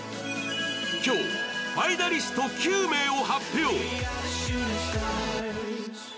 今日、ファイナリスト９名を発表。